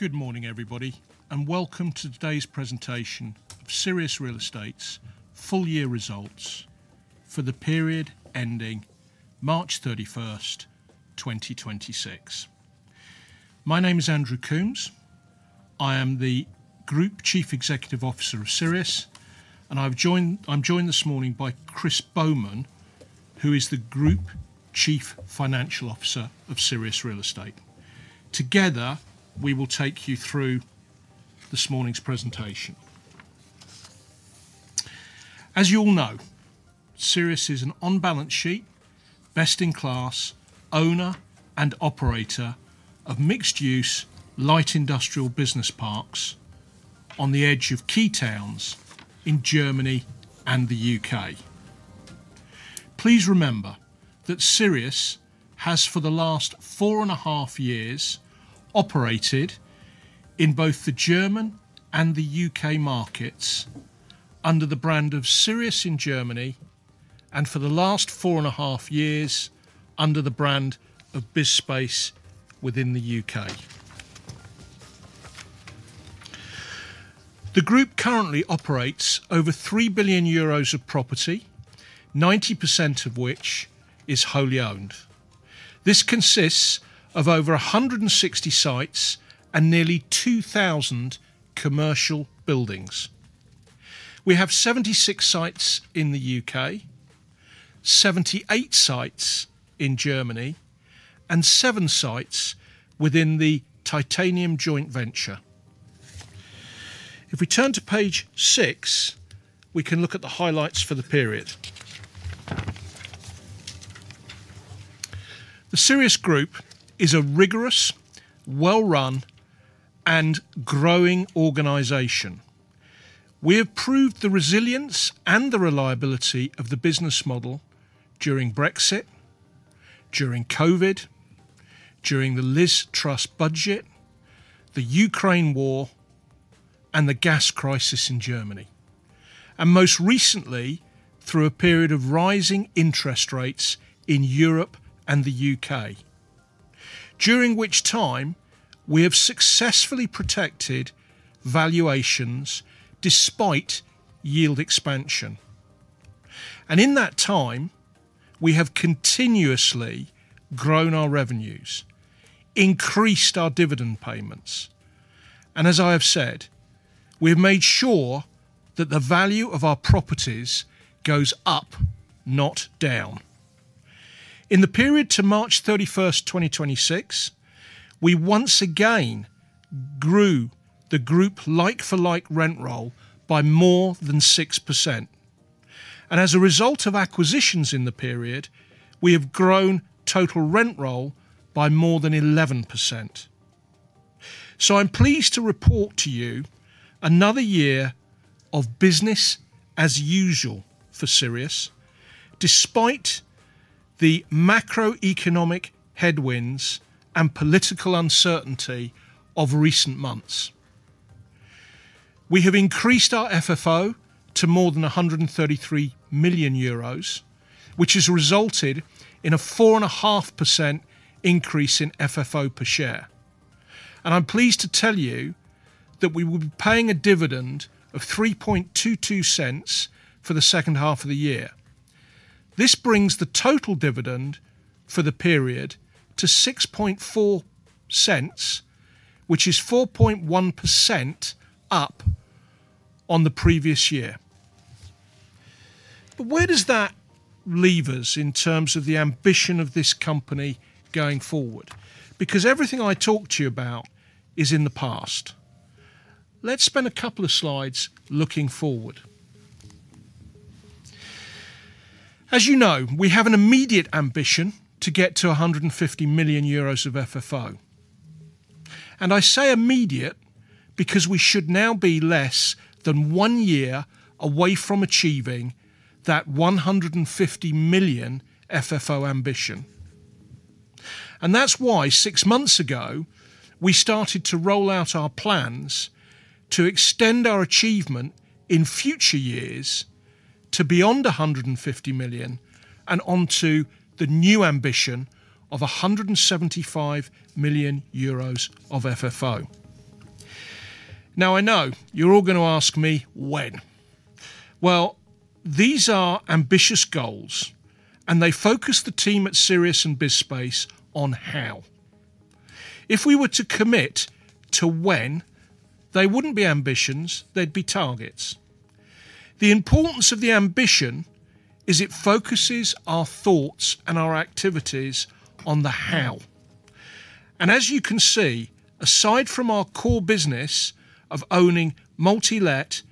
Good morning, everybody, and welcome to today's presentation of Sirius Real Estate's full year results for the period ending March 31st, 2026. My name is Andrew Coombs. I am the Group Chief Executive Officer of Sirius, and I'm joined this morning by Chris Bowman, who is the Group Chief Financial Officer of Sirius Real Estate. Together, we will take you through this morning's presentation. As you all know, Sirius is an on-balance sheet, best-in-class owner and operator of mixed-use light industrial business parks on the edge of key towns in Germany and the U.K. Please remember that Sirius has, for the last four and a half years, operated in both the German and the U.K. markets under the brand of Sirius in Germany, and for the last four and a half years, under the brand of BizSpace within the U.K. Sirius currently operates over 3 billion euros of property, 90% of which is wholly owned. This consists of over 160 sites and nearly 2,000 commercial buildings. We have 76 sites in the U.K., 78 sites in Germany, and seven sites within the Titanium joint venture. If we turn to page six, we can look at the highlights for the period. Sirius is a rigorous, well-run, and growing organization. We have proved the resilience and the reliability of the business model during Brexit, during COVID, during the Liz Truss budget, the Ukraine War, and the gas crisis in Germany. Most recently, through a period of rising interest rates in Europe and the U.K., during which time we have successfully protected valuations despite yield expansion. In that time, we have continuously grown our revenues, increased our dividend payments, and as I have said, we have made sure that the value of our properties goes up, not down. In the period to March 31st, 2026, we once again grew the group like-for-like rent roll by more than 6%. As a result of acquisitions in the period, we have grown total rent roll by more than 11%. I'm pleased to report to you another year of business as usual for Sirius, despite the macroeconomic headwinds and political uncertainty of recent months. We have increased our FFO to more than 133 million euros, which has resulted in a 4.5% increase in FFO per share. I'm pleased to tell you that we will be paying a dividend of 0.0322 for the second half of the year. This brings the total dividend for the period to 0.064, which is 4.1% up on the previous year. Where does that leave us in terms of the ambition of this company going forward? Everything I talked to you about is in the past. Let's spend a couple of slides looking forward. As you know, we have an immediate ambition to get to 150 million euros of FFO. I say immediate because we should now be less than one year away from achieving that 150 million FFO ambition. That's why, six months ago, we started to roll out our plans to extend our achievement in future years to beyond 150 million and onto the new ambition of 175 million euros of FFO. Now, I know, you're all going to ask me, "When?" Well, these are ambitious goals, and they focus the team at Sirius and BizSpace on how. If we were to commit to when, they wouldn't be ambitions, they'd be targets. The importance of the ambition is it focuses our thoughts and our activities on the how. As you can see, aside from our core business of owning multi-let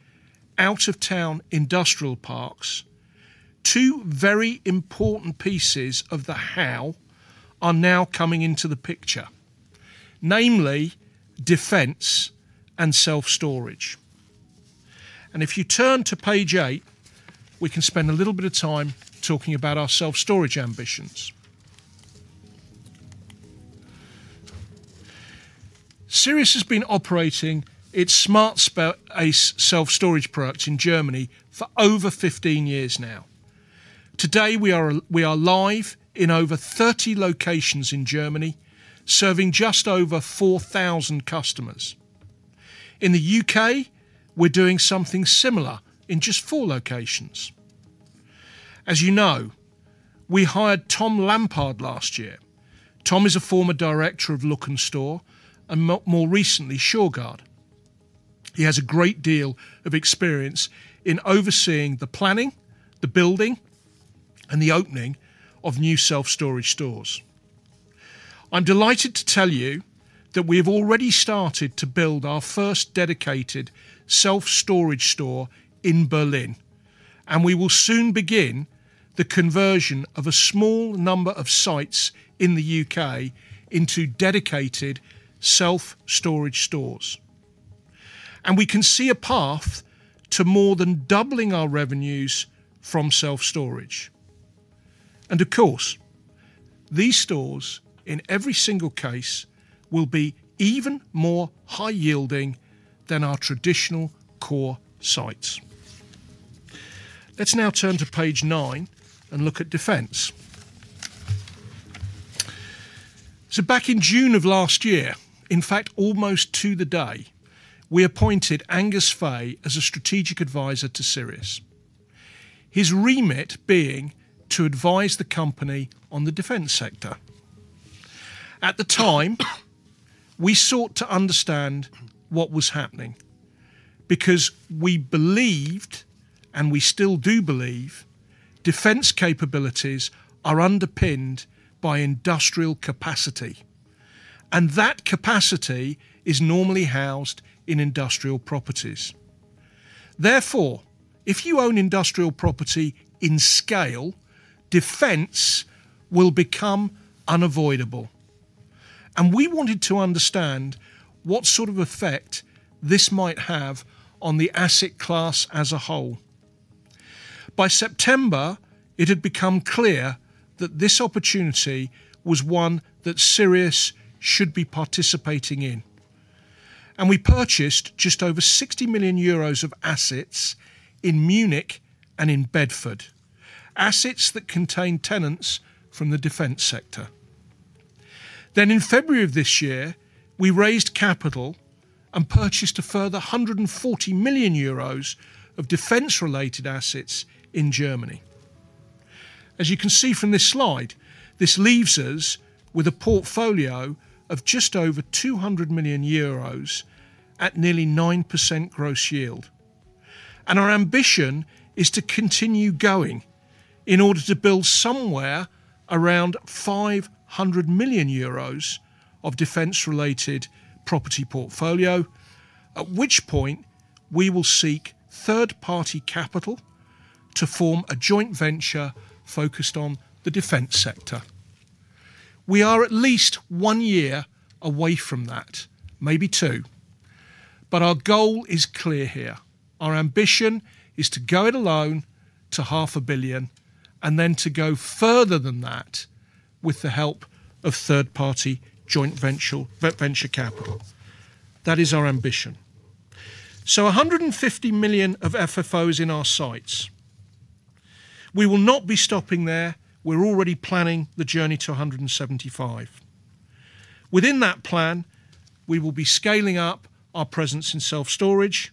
out-of-town industrial parks, two very important pieces of the how are now coming into the picture, namely defense and self-storage. If you turn to page eight, we can spend a little bit of time talking about our self-storage ambitions. Sirius has been operating its Smartspace self-storage product in Germany for over 15 years now. Today, we are live in over 30 locations in Germany, serving just over 4,000 customers. In the U.K., we're doing something similar in just four locations. As you know, we hired Tom Lampard last year. Tom is a former director of Lok'nStore, and more recently, Shurgard. He has a great deal of experience in overseeing the planning, the building, and the opening of new self-storage stores. I'm delighted to tell you that we have already started to build our first dedicated self-storage store in Berlin, and we will soon begin the conversion of a small number of sites in the U.K. into dedicated self-storage stores. We can see a path to more than doubling our revenues from self-storage. Of course, these stores, in every single case, will be even more high yielding than our traditional core sites. Let's now turn to page nine and look at defense. Back in June of last year, in fact, almost to the day, we appointed Angus Fay as a strategic advisor to Sirius, his remit being to advise the company on the defense sector. At the time, we sought to understand what was happening, because we believed, and we still do believe, defense capabilities are underpinned by industrial capacity, and that capacity is normally housed in industrial properties. If you own industrial property in scale, defense will become unavoidable. We wanted to understand what sort of effect this might have on the asset class as a whole. By September, it had become clear that this opportunity was one that Sirius should be participating in, and we purchased just over 60 million euros of assets in Munich and in Bedford, assets that contain tenants from the defense sector. In February of this year, we raised capital and purchased a further 140 million euros of defense-related assets in Germany. As you can see from this slide, this leaves us with a portfolio of just over 200 million euros at nearly 9% gross yield. Our ambition is to continue going in order to build somewhere around 500 million euros of defense-related property portfolio, at which point we will seek third-party capital to form a joint venture focused on the defense sector. We are at least one year away from that, maybe two, but our goal is clear here. Our ambition is to go it alone to 0.5 billion, and then to go further than that with the help of third-party joint venture capital. That is our ambition. 150 million of FFOs in our sights. We will not be stopping there. We are already planning the journey to 175 million. Within that plan, we will be scaling up our presence in self-storage.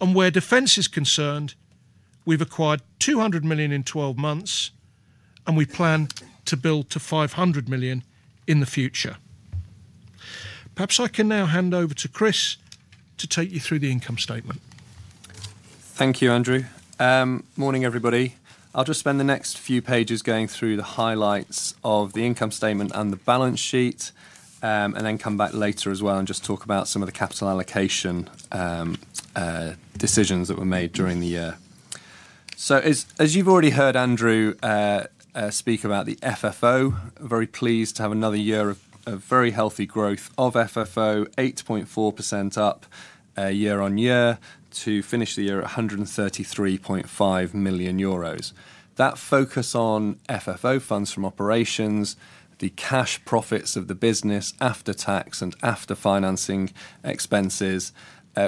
Where defense is concerned, we have acquired 200 million in 12 months, and we plan to build to 500 million in the future. Perhaps I can now hand over to Chris to take you through the income statement. Thank you, Andrew. Morning, everybody. I'll just spend the next few pages going through the highlights of the income statement and the balance sheet, then come back later as well and just talk about some of the capital allocation decisions that were made during the year. As you've already heard Andrew speak about the FFO, very pleased to have another year of very healthy growth of FFO, 8.4% up year-on-year to finish the year at 133.5 million euros. That focus on FFO, funds from operations, the cash profits of the business after tax and after financing expenses,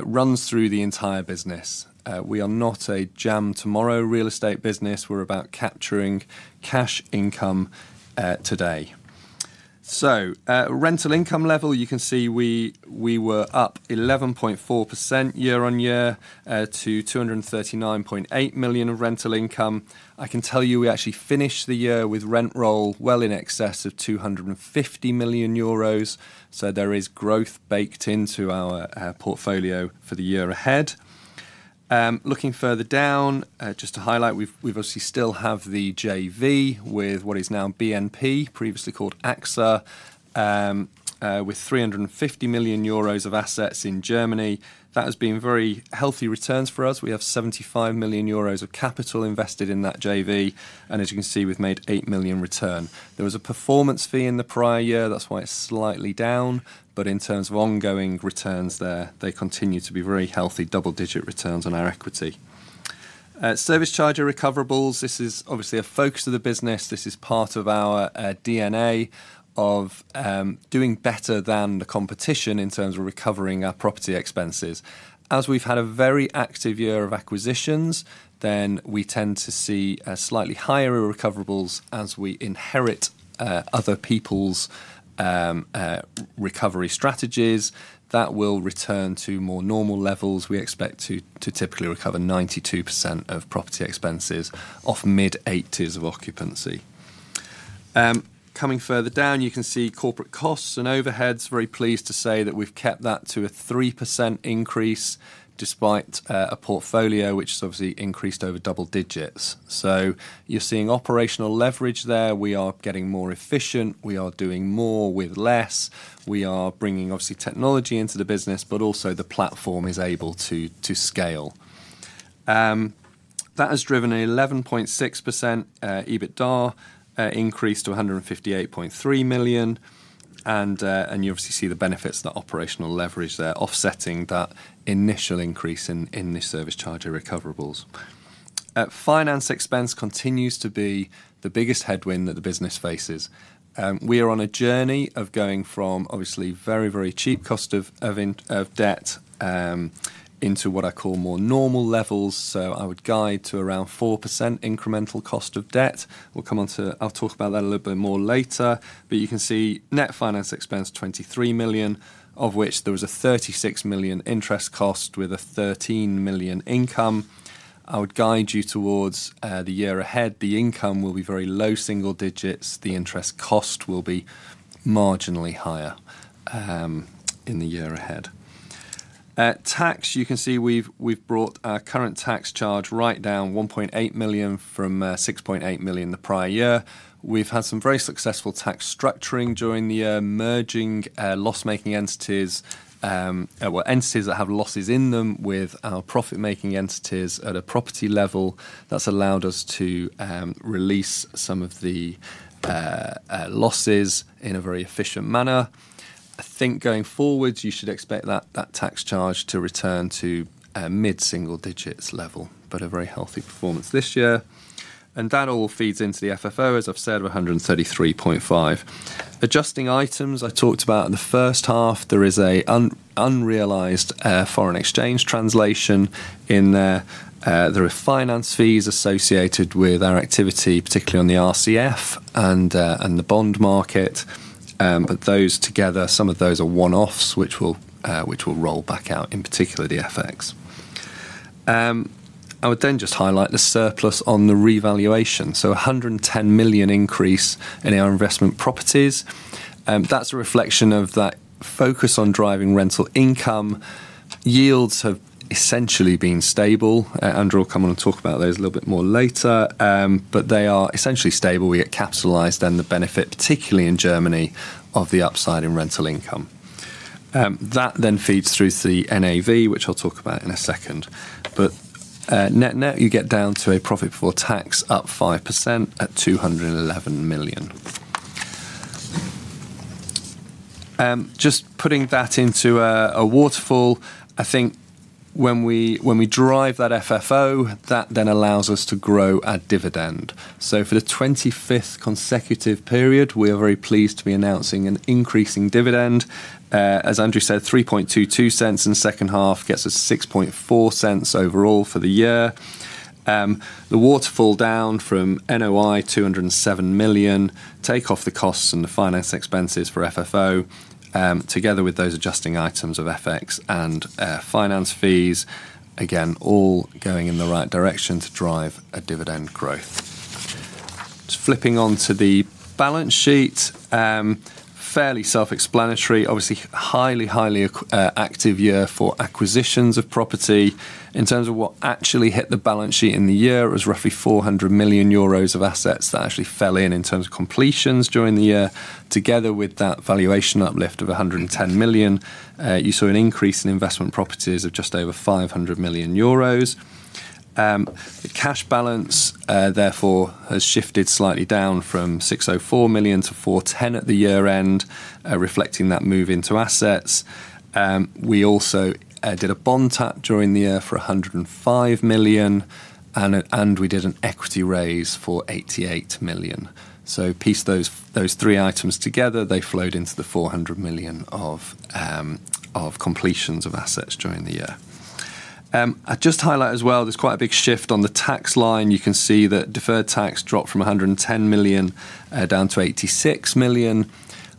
runs through the entire business. We are not a jam tomorrow real estate business. We're about capturing cash income today. Rental income level, you can see we were up 11.4% year-on-year to 239.8 million of rental income. I can tell you we actually finished the year with rent roll well in excess of 250 million euros. There is growth baked into our portfolio for the year ahead. Looking further down, just to highlight, we obviously still have the JV with what is now BNP, previously called AXA, with 350 million euros of assets in Germany. That has been very healthy returns for us. We have 75 million euros of capital invested in that JV, and as you can see, we've made 8 million return. There was a performance fee in the prior year, that's why it's slightly down. In terms of ongoing returns there, they continue to be very healthy double-digit returns on our equity. Service charge recoverables. This is obviously a focus of the business. This is part of our DNA of doing better than the competition in terms of recovering our property expenses. We've had a very active year of acquisitions, we tend to see slightly higher recoverables as we inherit other people's recovery strategies. That will return to more normal levels. We expect to typically recover 92% of property expenses off mid-80s of occupancy. Coming further down, you can see corporate costs and overheads. Very pleased to say that we've kept that to a 3% increase despite a portfolio which has obviously increased over double digits. You're seeing operational leverage there. We are getting more efficient. We are doing more with less. We are bringing, obviously, technology into the business, also the platform is able to scale. That has driven an 11.6% EBITDA increase to 158.3 million, you obviously see the benefits, that operational leverage there offsetting that initial increase in the service charge recoverables. Finance expense continues to be the biggest headwind that the business faces. We are on a journey of going from, obviously, very, very cheap cost of debt into what I call more normal levels. I would guide to around 4% incremental cost of debt. I'll talk about that a little bit more later. You can see net finance expense, 23 million, of which there was a 36 million interest cost with a 13 million income. I would guide you towards the year ahead. The income will be very low single digits. The interest cost will be marginally higher in the year ahead. Tax, you can see we've brought our current tax charge right down, 1.8 million from 6.8 million the prior year. We've had some very successful tax structuring during the year, merging loss-making entities, well, entities that have losses in them with our profit-making entities at a property level. That's allowed us to release some of the losses in a very efficient manner. I think going forward, you should expect that tax charge to return to mid-single-digit level, but a very healthy performance this year. That all feeds into the FFO, as I've said, of 133.5. Adjusting items, I talked about in the first half, there is an unrealized foreign exchange translation in there. There are finance fees associated with our activity, particularly on the RCF and the bond market. Those together, some of those are one-offs, which will roll back out, in particular the FX. I would just highlight the surplus on the revaluation. 110 million increase in our investment properties. That's a reflection of that focus on driving rental income. Yields have essentially been stable. Andrew will come on and talk about those a little bit more later. They are essentially stable. We get capitalized and the benefit, particularly in Germany, of the upside in rental income. That feeds through to the NAV, which I'll talk about in a second. Net-net, you get down to a profit before tax up 5% at EUR 211 million. Putting that into a waterfall, I think when we drive that FFO, that allows us to grow our dividend. For the 25th consecutive period, we are very pleased to be announcing an increasing dividend. As Andrew said, 0.0322 in the second half gets us 0.0640 overall for the year. The waterfall down from NOI 207 million, take off the costs and the finance expenses for FFO, together with those adjusting items of FX and finance fees. All going in the right direction to drive a dividend growth. Flipping onto the balance sheet. Fairly self-explanatory. Highly active year for acquisitions of property. In terms of what actually hit the balance sheet in the year, it was roughly 400 million euros of assets that actually fell in terms of completions during the year. Together with that valuation uplift of 110 million, you saw an increase in investment properties of just over 500 million euros. The cash balance has shifted slightly down from 604 million to 410 million at the year-end, reflecting that move into assets. We also did a bond tap during the year for 105 million, and we did an equity raise for 88 million. Piece those three items together, they flowed into the 400 million of completions of assets during the year. I'd just highlight as well, there's quite a big shift on the tax line. You can see that deferred tax dropped from 110 million down to 86 million.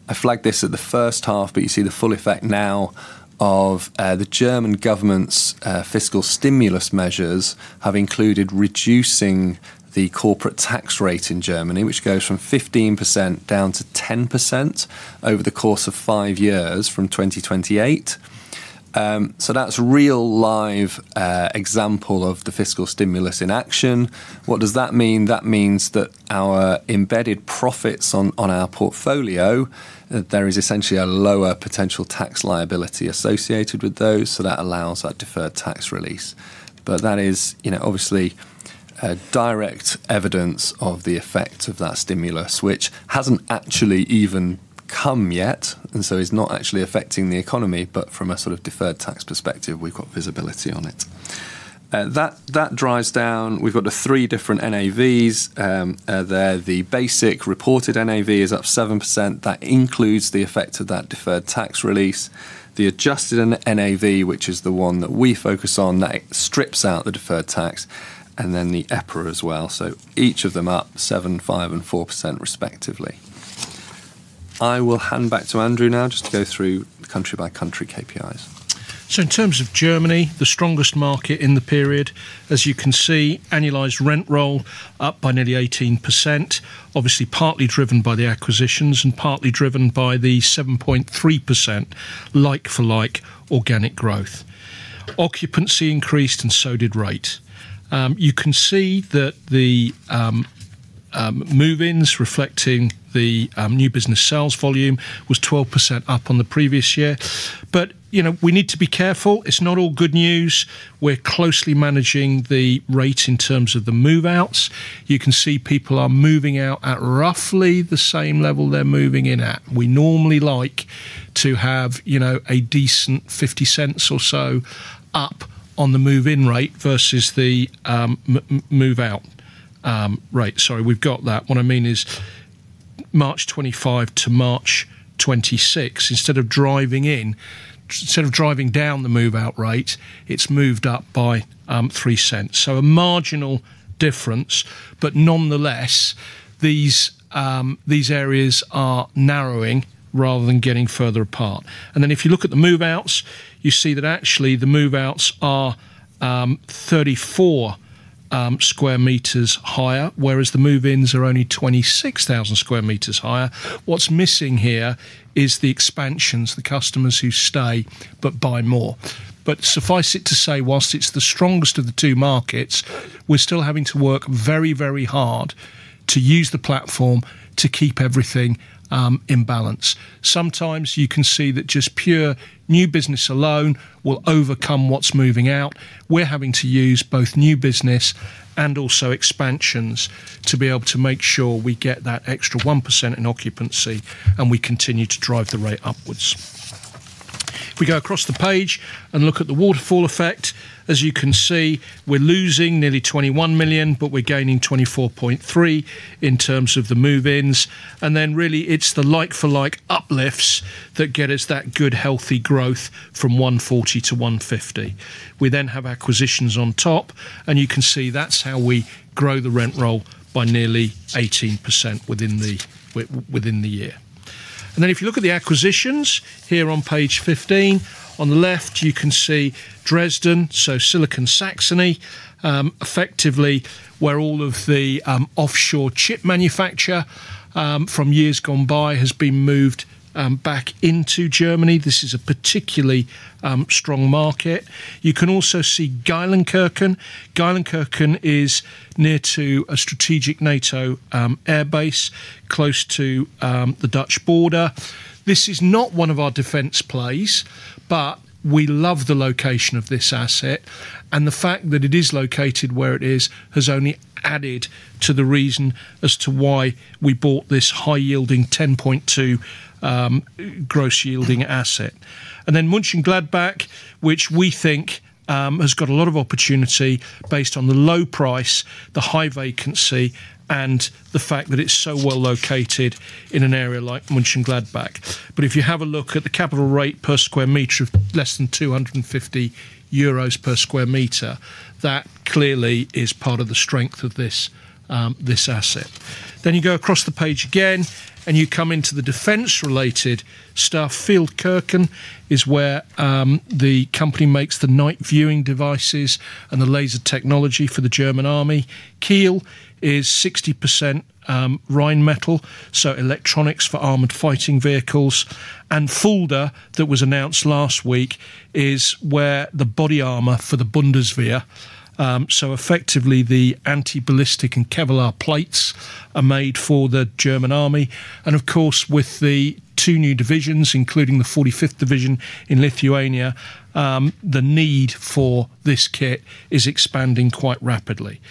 I flagged this at the first half, but you see the full effect now of the German government's fiscal stimulus measures have included reducing the corporate tax rate in Germany, which goes from 15% down to 10% over the course of five years from 2028. That's a real live example of the fiscal stimulus in action. What does that mean? That means that our embedded profits on our portfolio, there is essentially a lower potential tax liability associated with those, so that allows that deferred tax release. That is obviously direct evidence of the effect of that stimulus, which hasn't actually even come yet, and so it's not actually affecting the economy, but from a sort of deferred tax perspective, we've got visibility on it. That drives down, we've got the three different NAVs there. The basic reported NAV is up 7%. That includes the effect of that deferred tax release. The adjusted NAV, which is the one that we focus on, that strips out the deferred tax, and then the EPRA as well. Each of them up 7%, 5%, and 4% respectively. I will hand back to Andrew now just to go through country by country KPIs. In terms of Germany, the strongest market in the period, as you can see, annualized rent roll up by nearly 18%, obviously partly driven by the acquisitions and partly driven by the 7.3% like-for-like organic growth. Occupancy increased and so did rate. You can see that the move-ins reflecting the new business sales volume was 12% up on the previous year. We need to be careful. It's not all good news. We're closely managing the rate in terms of the move-outs. You can see people are moving out at roughly the same level they're moving in at. We normally like to have a decent 0.50 or so up on the move-in rate versus the move out rate. Sorry, we've got that. What I mean is March 2025 to March 2026, instead of driving down the move-out rate, it's moved up by 0.03. A marginal difference, but nonetheless, these areas are narrowing rather than getting further apart. If you look at the move-outs, you see that actually the move-outs are 34 sq m higher, whereas the move-ins are only 26,000 sq m higher. What's missing here is the expansions, the customers who stay, but buy more. Suffice it to say, whilst it's the strongest of the two markets, we're still having to work very hard to use the platform to keep everything in balance. Sometimes you can see that just pure new business alone will overcome what's moving out. We're having to use both new business and also expansions to be able to make sure we get that extra 1% in occupancy, and we continue to drive the rate upwards. We go across the page and look at the waterfall effect, as you can see, we're losing nearly 21 million, but we're gaining 24.3 in terms of the move-ins. Really it's the like-for-like uplifts that get us that good, healthy growth from 140-150. We then have acquisitions on top, and you can see that's how we grow the rent roll by nearly 18% within the year. If you look at the acquisitions here on page 15, on the left, you can see Dresden, so Silicon Saxony, effectively where all of the offshore chip manufacture from years gone by has been moved back into Germany. This is a particularly strong market. You can also see Geilenkirchen. Geilenkirchen is near to a strategic NATO airbase, close to the Dutch border. This is not one of our defense plays, but we love the location of this asset, and the fact that it is located where it is has only added to the reason as to why we bought this high yielding 10.2 gross yielding asset. Mönchengladbach, which we think has got a lot of opportunity based on the low price, the high vacancy, and the fact that it's so well located in an area like Mönchengladbach. If you have a look at the capital rate per square meter of less than 250 euros per square meter, that clearly is part of the strength of this asset. You go across the page again and you come into the defense related stuff. Feldkirchen is where the company makes the night viewing devices and the laser technology for the German army. Kiel is 60% Rheinmetall, so electronics for armored fighting vehicles. Fulda, that was announced last week, is where the body armor for the Bundeswehr, so effectively the anti-ballistic and Kevlar plates, are made for the German Army. Of course, with the two new divisions, including the 45th division in Lithuania, the need for this kit is expanding quite rapidly.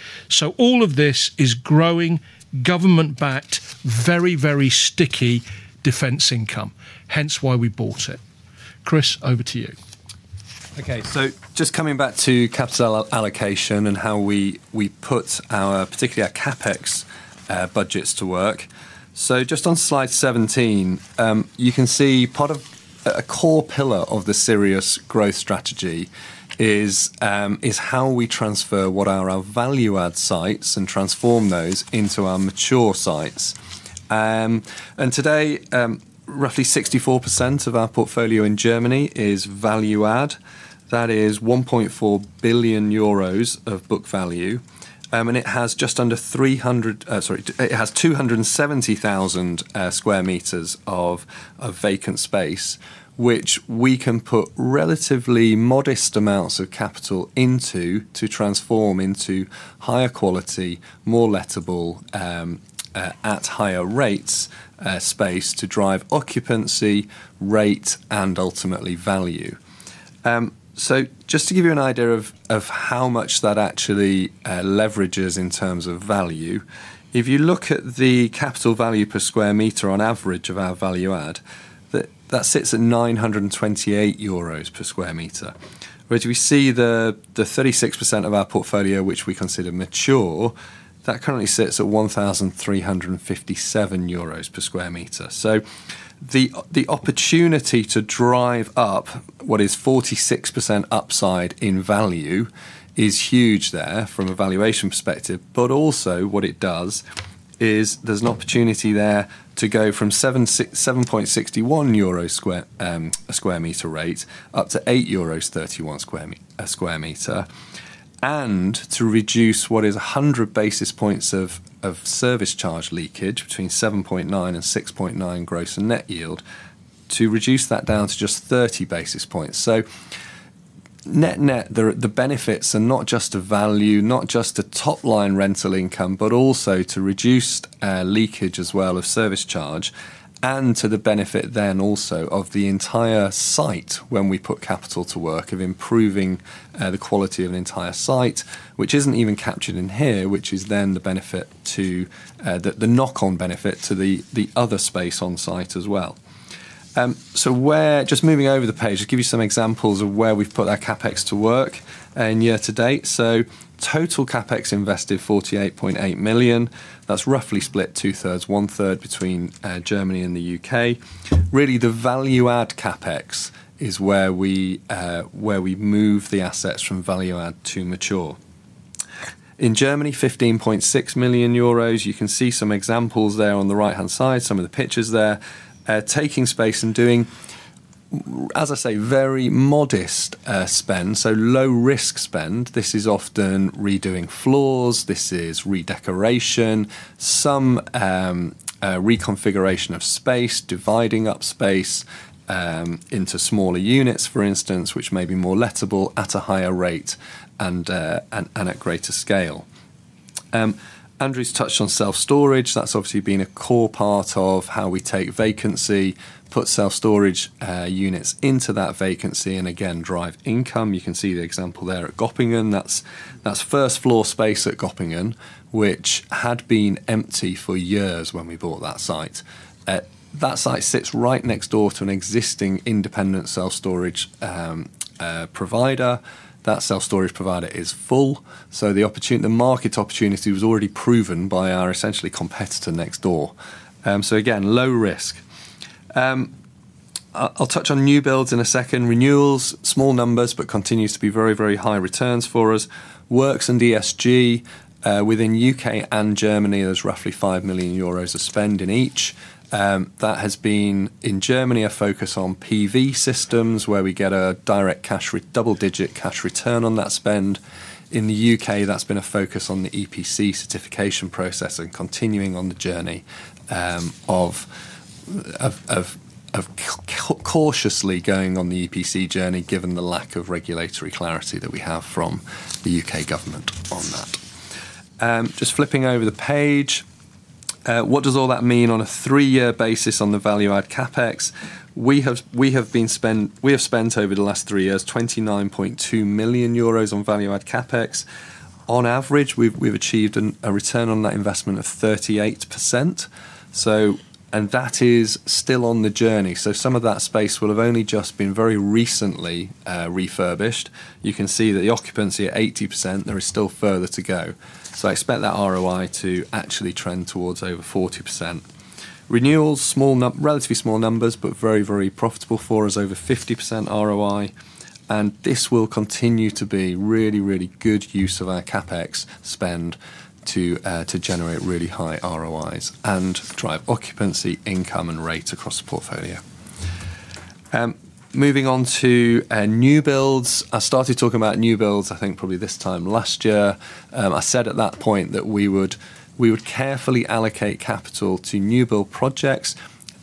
All of this is growing, government-backed, very sticky defense income, hence why we bought it. Chris, over to you. Okay. Just coming back to capital allocation and how we put our, particularly our CapEx budgets to work. Just on slide 17, you can see a core pillar of the Sirius growth strategy is how we transfer what are our value add sites and transform those into our mature sites. Today, roughly 64% of our portfolio in Germany is value add. That is 1.4 billion euros of book value. It has just under 300, it has 270,000 sq m of vacant space, which we can put relatively modest amounts of capital into to transform into higher quality, more lettable at higher rates space to drive occupancy, rate, and ultimately value. Just to give you an idea of how much that actually leverages in terms of value, if you look at the capital value per square meter on average of our value add, that sits at 928 euros per sq m. We see the 36% of our portfolio which we consider mature, that currently sits at 1,357 euros per sq m. The opportunity to drive up what is 46% upside in value is huge there from a valuation perspective, but also what it does is there's an opportunity there to go from 7.61 euro a sq m rate up to 8.31 euros a sq m, and to reduce what is 100 basis points of service charge leakage between 7.9% and 6.9% gross and net yield, to reduce that down to just 30 basis points. Net-net, the benefits are not just of value, not just to top line rental income, but also to reduce leakage as well of service charge and to the benefit then also of the entire site when we put capital to work of improving the quality of the entire site, which isn't even captured in here, which is then the knock-on benefit to the other space on site as well. Just moving over the page. I'll give you some examples of where we've put our CapEx to work in year to date. Total CapEx invested, 48.8 million. That's roughly split 2/3s, 1/3 between Germany and the U.K. Really, the value add CapEx is where we move the assets from value add to mature. In Germany, 15.6 million euros. You can see some examples there on the right-hand side, some of the pictures there. Taking space and doing, as I say, very modest spend, so low risk spend. This is often redoing floors, this is redecoration, some reconfiguration of space, dividing up space into smaller units, for instance, which may be more lettable at a higher rate and at greater scale. Andrew's touched on self-storage. That's obviously been a core part of how we take vacancy, put self-storage units into that vacancy, and again, drive income. You can see the example there at Göppingen. That's first floor space at Göppingen, which had been empty for years when we bought that site. That site sits right next door to an existing independent self-storage provider. That self-storage provider is full, the market opportunity was already proven by our essentially competitor next door. Again, low risk. I'll touch on new builds in a second. Renewals, small numbers, continues to be very, very high returns for us. Works and ESG within U.K. and Germany, there's roughly 5 million euros of spend in each. That has been, in Germany, a focus on PV systems where we get a direct double-digit cash return on that spend. In the U.K., that's been a focus on the EPC certification process and continuing on the journey of cautiously going on the EPC journey, given the lack of regulatory clarity that we have from the U.K. government on that. Just flipping over the page. What does all that mean on a three-year basis on the value add CapEx? We have spent over the last three years, 29.2 million euros on value add CapEx. On average, we've achieved a return on that investment of 38%. That is still on the journey. Some of that space will have only just been very recently refurbished. You can see that the occupancy at 80%, there is still further to go. I expect that ROI to actually trend towards over 40%. Renewals, relatively small numbers, very, very profitable for us, over 50% ROI. This will continue to be really, really good use of our CapEx spend to generate really high ROIs and drive occupancy, income, and rate across the portfolio. Moving on to new builds. I started talking about new builds, I think probably this time last year. I said at that point that we would carefully allocate capital to new build projects.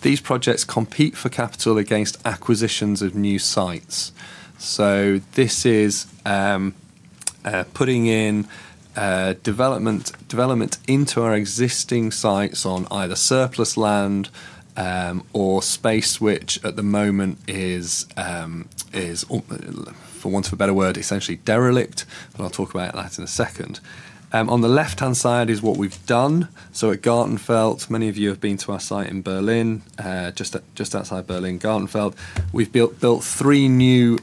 These projects compete for capital against acquisitions of new sites. This is putting in development into our existing sites on either surplus land or space, which at the moment is, for want of a better word, essentially derelict, but I'll talk about that in a second. On the left-hand side is what we've done. At Gartenfeld, many of you have been to our site in Berlin, just outside Berlin, Gartenfeld. We've built three new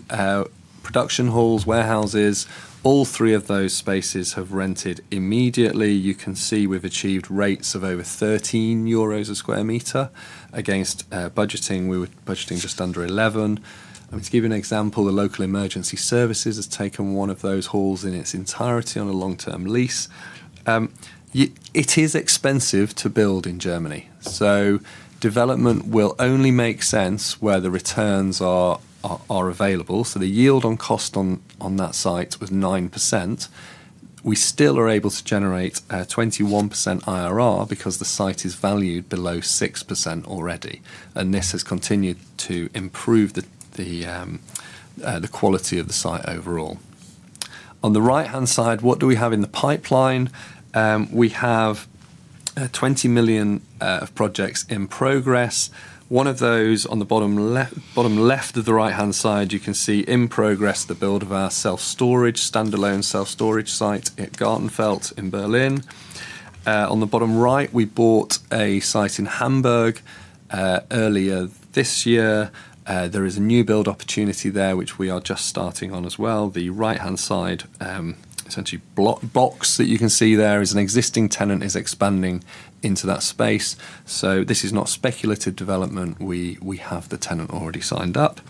production halls, warehouses. All three of those spaces have rented immediately. You can see we've achieved rates of over 13 euros a sq m against budgeting. We were budgeting just under 11. To give you an example, the local emergency services has taken one of those halls in its entirety on a long-term lease. It is expensive to build in Germany, development will only make sense where the returns are available. The yield on cost on that site was 9%. We still are able to generate a 21% IRR because the site is valued below 6% already, and this has continued to improve the quality of the site overall. On the right-hand side, what do we have in the pipeline? We have 20 million of projects in progress. One of those on the bottom left of the right-hand side, you can see in progress the build of our standalone self-storage site at Gartenfeld in Berlin. On the bottom right, we bought a site in Hamburg earlier this year. There is a new build opportunity there, which we are just starting on as well. The right-hand side box that you can see there is an existing tenant is expanding into that space. This is not speculative development. We have the tenant already signed up.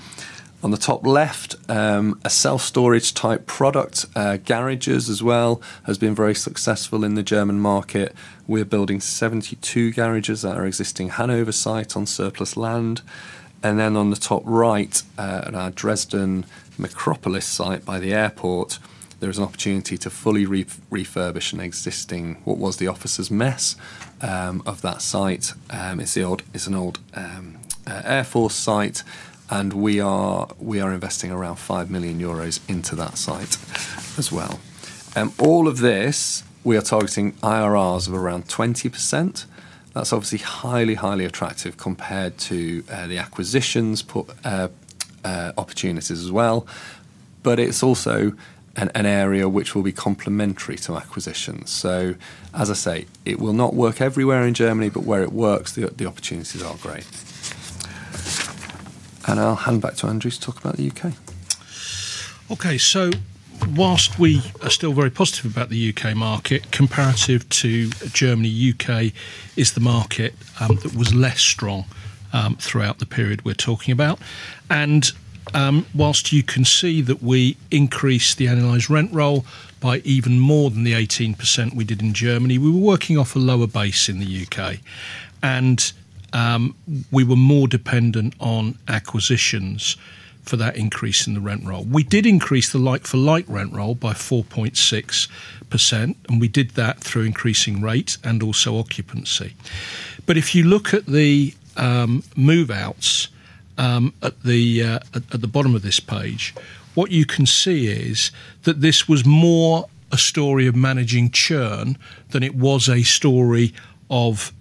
On the top left, a self-storage type product. Garages as well has been very successful in the German market. We're building 72 garages at our existing Hanover site on surplus land. On the top right, at our Dresden metropolis site by the airport, there is an opportunity to fully refurbish an existing, what was the officer's mess of that site. It's an old Air Force site, and we are investing around 5 million euros into that site as well. All of this, we are targeting IRRs of around 20%. That's obviously highly attractive compared to the acquisitions opportunities as well. It's also an area which will be complementary to acquisitions. As I say, it will not work everywhere in Germany, but where it works, the opportunities are great. I'll hand back to Andrew to talk about the U.K. Okay. Whilst we are still very positive about the U.K. market, comparative to Germany, U.K. is the market that was less strong throughout the period we are talking about. Whilst you can see that we increased the annualized rent roll by even more than the 18% we did in Germany, we were working off a lower base in the U.K. We were more dependent on acquisitions for that increase in the rent roll. We did increase the like-for-like rent roll by 4.6%, and we did that through increasing rate and also occupancy. If you look at the move-outs, at the bottom of this page, what you can see is that this was more a story of managing churn than it was a story of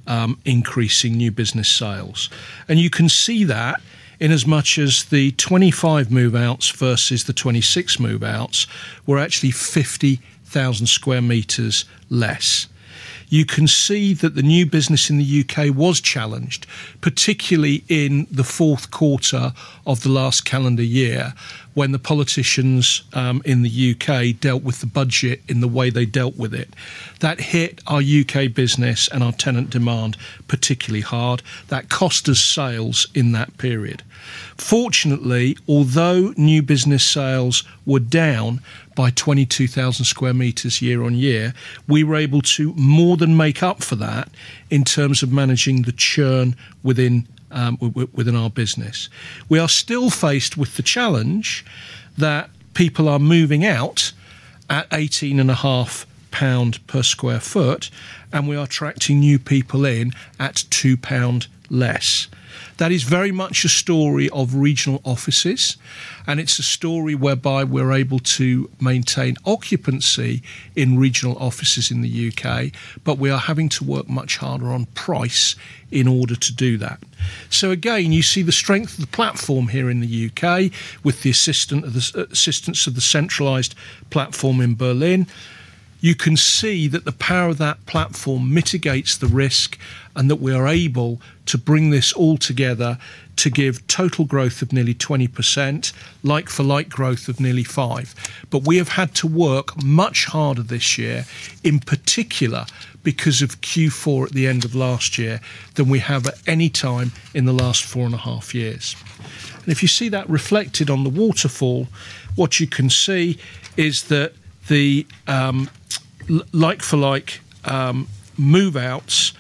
increasing new business sales. You can see that in as much as the 25 move-outs versus the 26 move-outs were actually 50,000 sq m less. You can see that the new business in the U.K. was challenged, particularly in the fourth quarter of the last calendar year when the politicians in the U.K. dealt with the budget in the way they dealt with it. That hit our U.K. business and our tenant demand particularly hard. That cost us sales in that period. Fortunately, although new business sales were down by 22,000 sq m year-on-year, we were able to more than make up for that in terms of managing the churn within our business. We are still faced with the challenge that people are moving out at 18.5 pound per sq ft, and we are attracting new people in at 2 pound less. That is very much a story of regional offices. It's a story whereby we're able to maintain occupancy in regional offices in the U.K. We are having to work much harder on price in order to do that. Again, you see the strength of the platform here in the U.K. with the assistance of the centralized platform in Berlin. You can see that the power of that platform mitigates the risk, that we are able to bring this all together to give total growth of nearly 20%, like-for-like growth of nearly 5%. We have had to work much harder this year, in particular, because of Q4 at the end of last year than we have at any time in the last four and a half years. If you see that reflected on the waterfall, what you can see is that the like-for-like move-outs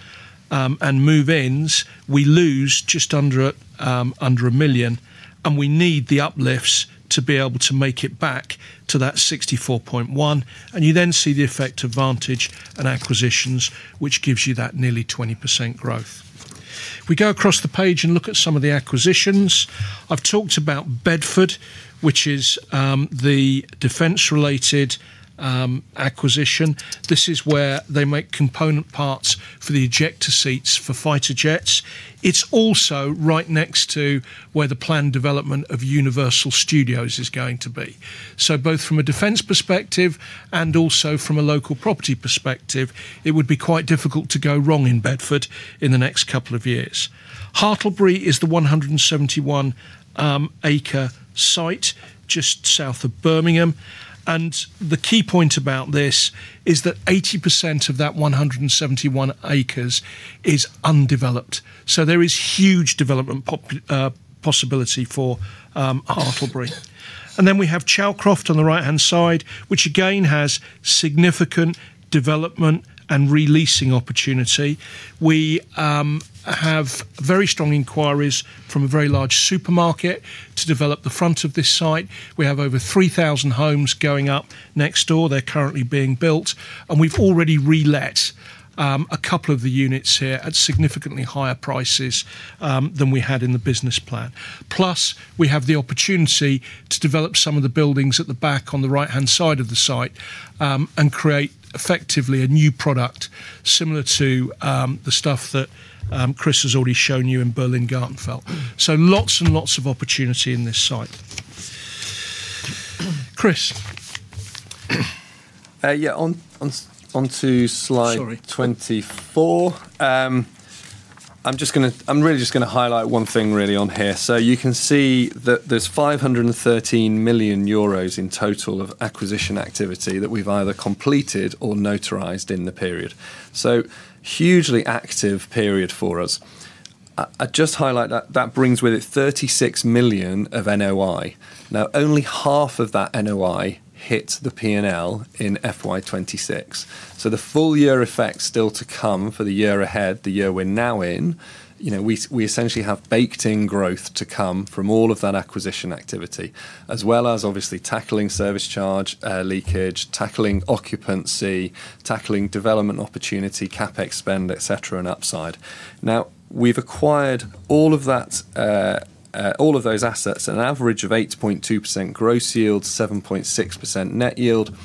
and move-ins, we lose just under 1 million, and we need the uplifts to be able to make it back to that 64.1. You then see the effect of Vantage and acquisitions, which gives you that nearly 20% growth. We go across the page and look at some of the acquisitions. I've talked about Bedford, which is the defense-related acquisition. This is where they make component parts for the ejector seats for fighter jets. It is also right next to where the planned development of Universal Studios is going to be. Both from a defense perspective and also from a local property perspective, it would be quite difficult to go wrong in Bedford in the next couple of years. Hartlebury is the 171 acre site just south of Birmingham. The key point about this is that 80% of that 171 acres is undeveloped. There is huge development possibility for Hartlebury. We have Chalcroft on the right-hand side, which again has significant development and re-leasing opportunity. We have very strong inquiries from a very large supermarket to develop the front of this site. We have over 3,000 homes going up next door. They're currently being built. We've already relet a couple of the units here at significantly higher prices than we had in the business plan. Plus, we have the opportunity to develop some of the buildings at the back on the right-hand side of the site, and create effectively a new product similar to the stuff that Chris has already shown you in Berlin, Gartenfeld. Lots and lots of opportunity in this site. Chris? Yeah. Sorry Slide 24. I'm really just going to highlight one thing really on here. You can see that there's 513 million euros in total of acquisition activity that we've either completed or notarized in the period. Hugely active period for us. I'd just highlight that brings with it 36 million of NOI. Only half of that NOI hits the P&L in FY 2026, the full year effect still to come for the year ahead, the year we're now in. We essentially have baked in growth to come from all of that acquisition activity, as well as obviously tackling service charge, leakage, tackling occupancy, tackling development opportunity, CapEx spend, et cetera, and upside. We've acquired all of those assets at an average of 8.2% gross yield, 7.6% net yield.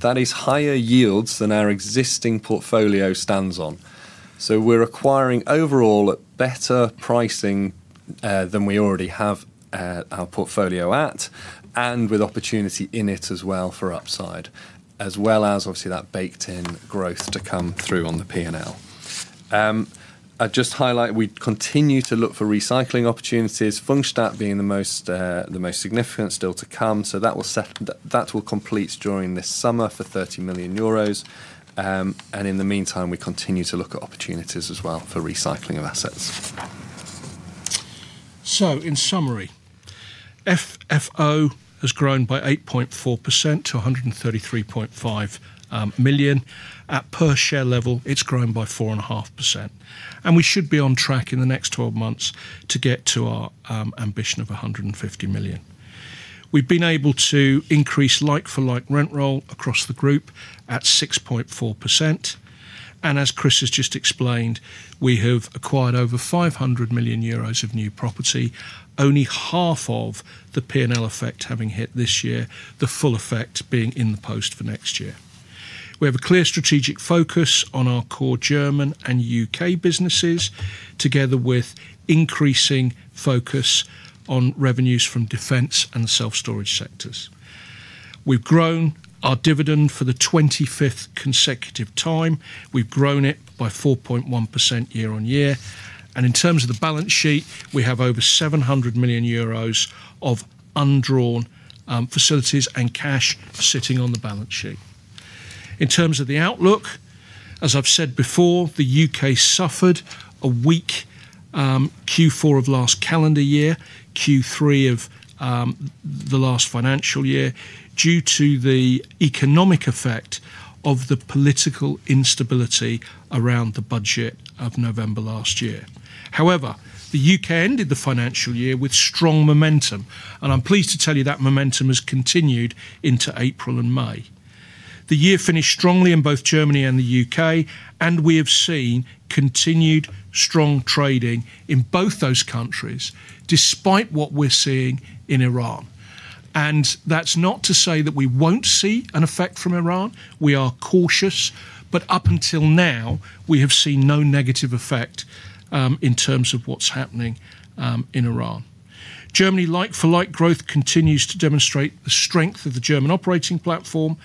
That is higher yields than our existing portfolio stands on. We're acquiring overall at better pricing, than we already have our portfolio at, and with opportunity in it as well for upside, as well as obviously that baked in growth to come through on the P&L. I'd just highlight, we continue to look for recycling opportunities, Pfungstadt being the most significant still to come. That will complete during this summer for 30 million euros. In the meantime, we continue to look at opportunities as well for recycling of assets. In summary, FFO has grown by 8.4% to 133.5 million. At per share level, it's grown by 4.5%. We should be on track in the next 12 months to get to our ambition of 150 million. We've been able to increase like-for-like rent roll across the group at 6.4%. As Chris has just explained, we have acquired over 500 million euros of new property, only half of the P&L effect having hit this year, the full effect being in the post for next year. We have a clear strategic focus on our core German and U.K. businesses, together with increasing focus on revenues from defense and the self-storage sectors. We've grown our dividend for the 25th consecutive time. We've grown it by 4.1% year-on-year. In terms of the balance sheet, we have over 700 million euros of undrawn facilities and cash sitting on the balance sheet. In terms of the outlook, as I've said before, the U.K. suffered a weak Q4 of last calendar year, Q3 of the last financial year, due to the economic effect of the political instability around the budget of November last year. The U.K. ended the financial year with strong momentum, and I'm pleased to tell you that momentum has continued into April and May. The year finished strongly in both Germany and the U.K., and we have seen continued strong trading in both those countries, despite what we're seeing in Iran. That's not to say that we won't see an effect from Iran. We are cautious, but up until now, we have seen no negative effect, in terms of what's happening in Iran. Germany like-for-like growth continues to demonstrate the strength of the German operating platform,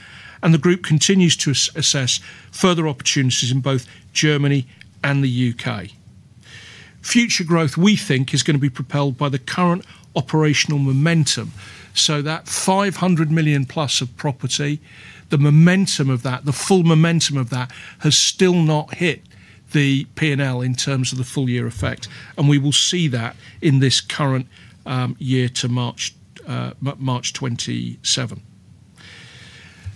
and the group continues to assess further opportunities in both Germany and the U.K. Future growth, we think, is going to be propelled by the current operational momentum. That 500 million+ of property, the momentum of that, the full momentum of that, has still not hit the P&L in terms of the full year effect. We will see that in this current year to March 2027.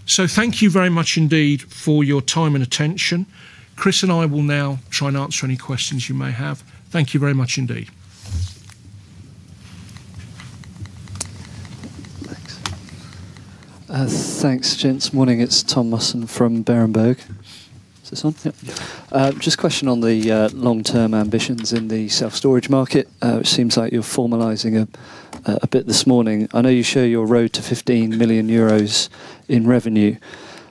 Thank you very much indeed for your time and attention. Chris and I will now try and answer any questions you may have. Thank you very much indeed. Thanks. Thanks, gents. Morning, it's Tom Musson from Berenberg. Is this on? Yep. Just a question on the long-term ambitions in the self-storage market. It seems like you're formalizing a bit this morning. I know you show your road to 15 million euros in revenue.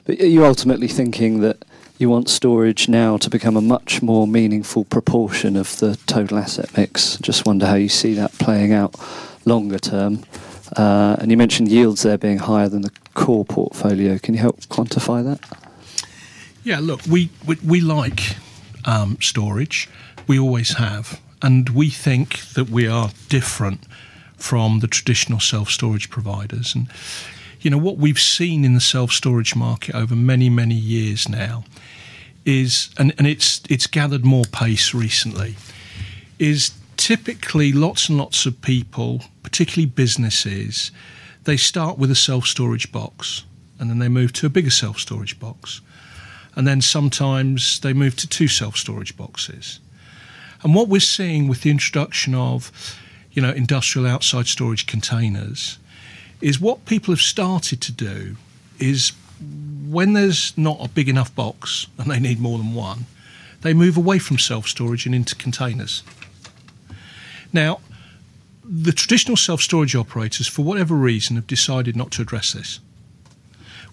Are you ultimately thinking that you want storage now to become a much more meaningful proportion of the total asset mix? Just wonder how you see that playing out longer term. You mentioned yields there being higher than the core portfolio. Can you help quantify that? Yeah, look, we like storage. We always have. We think that we are different from the traditional self-storage providers. What we've seen in the self-storage market over many, many years now is, and it's gathered more pace recently, is typically lots and lots of people, particularly businesses, they start with a self-storage box, and then they move to a bigger self-storage box. Sometimes they move to two self-storage boxes. What we're seeing with the introduction of industrial outside storage containers is what people have started to do is when there's not a big enough box and they need more than one, they move away from self-storage and into containers. The traditional self-storage operators, for whatever reason, have decided not to address this.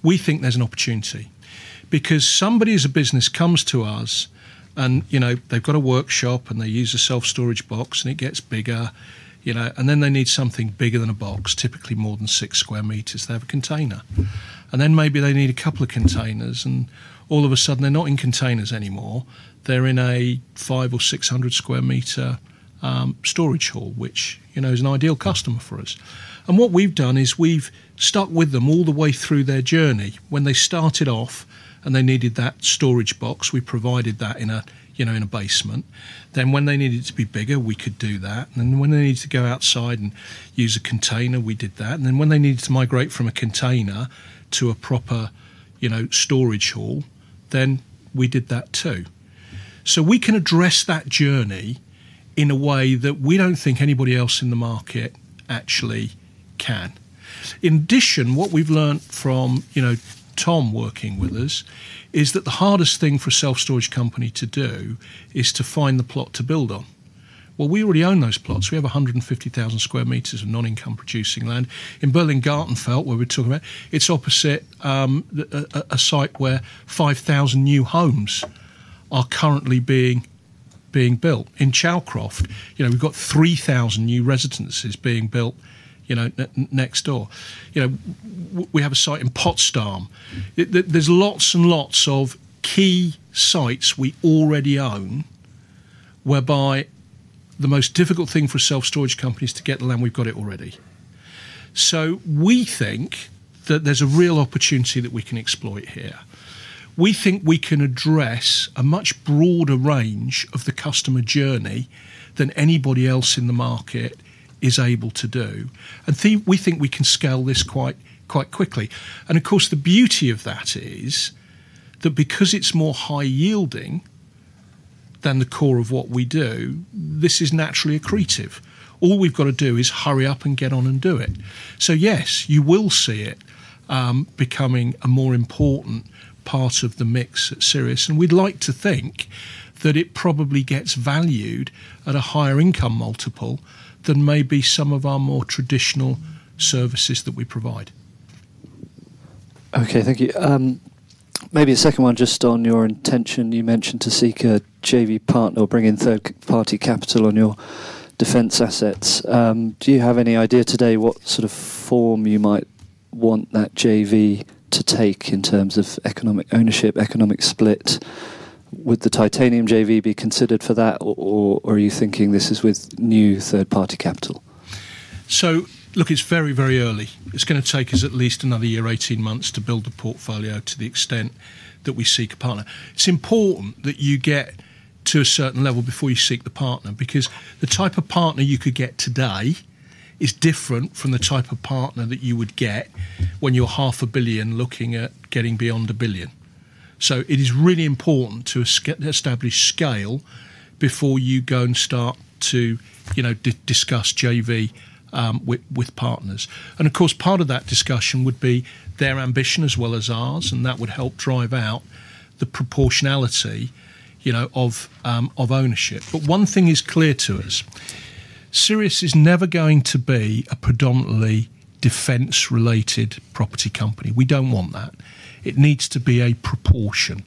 We think there's an opportunity because somebody as a business comes to us and they've got a workshop and they use a self-storage box and it gets bigger. They need something bigger than a box, typically more than six sq m. They have a container. Maybe they need a couple of containers, and all of a sudden they're not in containers anymore. They're in a 5 or 600 sq m storage hall, which is an ideal customer for us. What we've done is we've stuck with them all the way through their journey. When they started off and they needed that storage box, we provided that in a basement. When they needed to be bigger, we could do that. When they needed to go outside and use a container, we did that. When they needed to migrate from a container to a proper storage hall, we did that too. We can address that journey in a way that we don't think anybody else in the market actually can. In addition, what we've learned from Tom working with us is that the hardest thing for a self-storage company to do is to find the plot to build on. We already own those plots. We have 150,000 sq m of non-income producing land. In Berlin-Gartenfeld, where we're talking about, it's opposite a site where 5,000 new homes are currently being built. In Chalcroft, we've got 3,000 new residences being built next door. We have a site in Potsdam. There's lots and lots of key sites we already own, whereby the most difficult thing for self-storage companies to get the land, we've got it already. We think that there's a real opportunity that we can exploit here. We think we can address a much broader range of the customer journey than anybody else in the market is able to do. We think we can scale this quite quickly. Of course, the beauty of that is that because it's more high yielding than the core of what we do, this is naturally accretive. All we've got to do is hurry up and get on and do it. Yes, you will see it becoming a more important part of the mix at Sirius, and we'd like to think that it probably gets valued at a higher income multiple than maybe some of our more traditional services that we provide. Okay. Thank you. Maybe a second one just on your intention. You mentioned to seek a JV partner or bring in third-party capital on your defense assets. Do you have any idea today what sort of form you might want that JV to take in terms of economic ownership, economic split? Would the Titanium JV be considered for that, or are you thinking this is with new third-party capital? Look, it's very early. It's going to take us at least another year, 18 months, to build a portfolio to the extent that we seek a partner. It's important that you get to a certain level before you seek the partner, because the type of partner you could get today is different from the type of partner that you would get when you're half a billion, looking at getting beyond a billion. It is really important to establish scale before you go and start to discuss JV with partners. Of course, part of that discussion would be their ambition as well as ours, and that would help drive out the proportionality of ownership. One thing is clear to us, Sirius is never going to be a predominantly defense-related property company. We don't want that. It needs to be a proportion.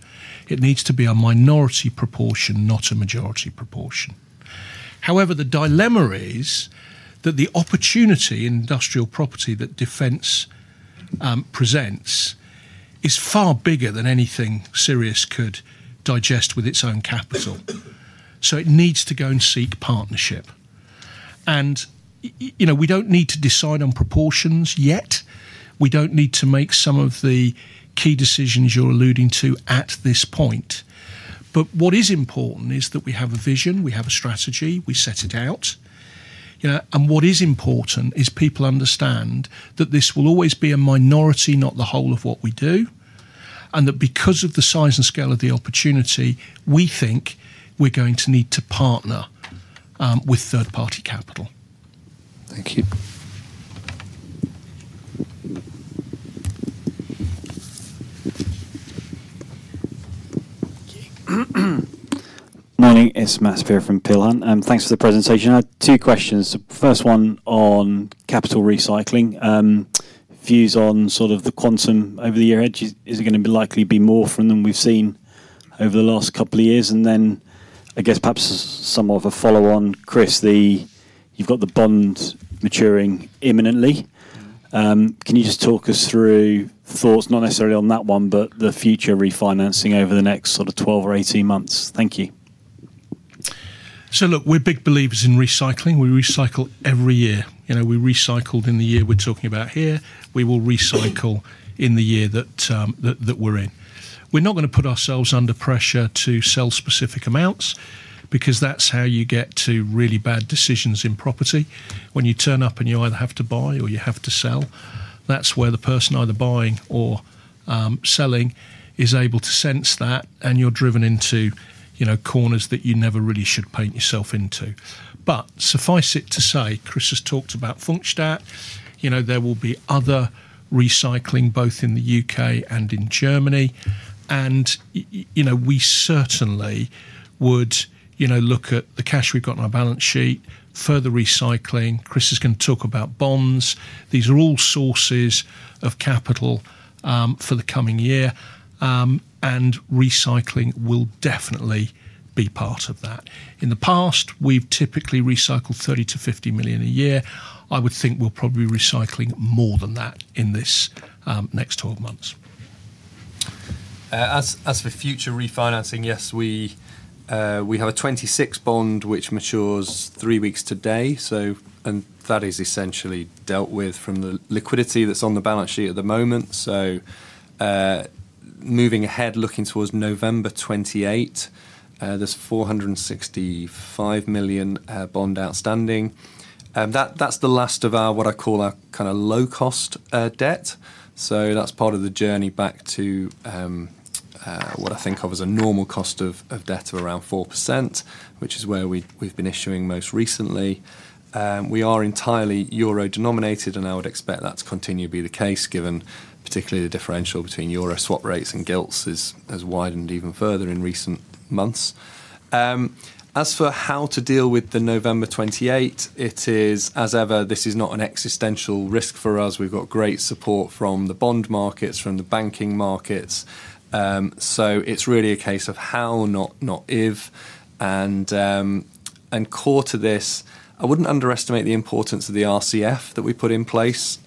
It needs to be a minority proportion, not a majority proportion. The dilemma is that the opportunity in industrial property that defense presents is far bigger than anything Sirius could digest with its own capital. It needs to go and seek partnership. We don't need to decide on proportions yet. We don't need to make some of the key decisions you're alluding to at this point. What is important is that we have a vision, we have a strategy, we set it out. What is important is people understand that this will always be a minority, not the whole of what we do, and that because of the size and scale of the opportunity, we think we're going to need to partner with third-party capital. Thank you. Morning. It's Matt Saperia from Peel Hunt. Thanks for the presentation. I have two questions. First one on capital recycling. Views on sort of the quantum over the year. Is it going to likely be more from than we've seen over the last couple of years? Then I guess perhaps as somewhat of a follow on, Chris, you've got the bond maturing imminently. Can you just talk us through thoughts, not necessarily on that one, but the future refinancing over the next sort of 12 or 18 months? Thank you. Look, we're big believers in recycling. We recycle every year. We recycled in the year we're talking about here. We will recycle in the year that we're in. We're not going to put ourselves under pressure to sell specific amounts, because that's how you get to really bad decisions in property. When you turn up and you either have to buy or you have to sell, that's where the person either buying or selling is able to sense that and you're driven into corners that you never really should paint yourself into. Suffice it to say, Chris has talked about Pfungstadt. There will be other recycling, both in the U.K. and in Germany. We certainly would look at the cash we've got on our balance sheet, further recycling. Chris is going to talk about bonds. These are all sources of capital for the coming year, and recycling will definitely be part of that. In the past, we've typically recycled 30 million-50 million a year. I would think we're probably recycling more than that in this next 12 months. As for future refinancing, yes, we have a 2026 bond which matures three weeks today. That is essentially dealt with from the liquidity that's on the balance sheet at the moment. Moving ahead, looking towards November 2028, there's a 465 million bond outstanding. That's the last of our, what I call our low cost debt. That's part of the journey back to what I think of as a normal cost of debt of around 4%, which is where we've been issuing most recently. We are entirely EUR denominated, and I would expect that to continue to be the case, given particularly the differential between EUR swap rates and gilts has widened even further in recent months. As for how to deal with the November 2028, it is as ever, this is not an existential risk for us. We've got great support from the bond markets, from the banking markets. It's really a case of how, not if, core to this, I wouldn't underestimate the importance of the RCF that we put in place